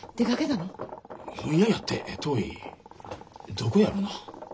どこやろな？